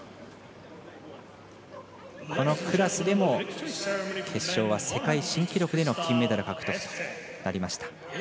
このクラスでも決勝は世界新記録での金メダル獲得となりました。